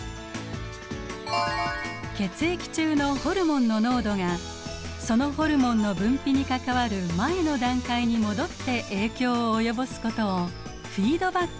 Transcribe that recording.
血液中のホルモンの濃度がそのホルモンの分泌に関わる前の段階に戻って影響を及ぼすことをフィードバックといいます。